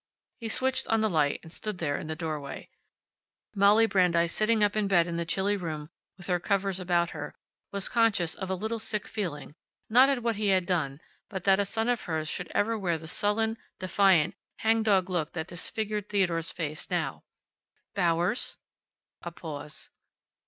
He switched on the light and stood there in the doorway. Molly Brandeis, sitting up in bed in the chilly room, with her covers about her, was conscious of a little sick feeling, not at what he had done, but that a son of hers should ever wear the sullen, defiant, hang dog look that disfigured Theodore's face now. "Bauer's?" A pause.